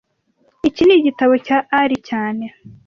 Iki ni igitabo cya Ali cyane